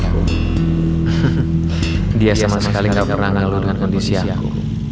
hehe dia sama sekali gak pernah ngeluh dengan kondisi aku